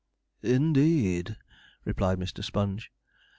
'Indeed!' replied Mr. Sponge.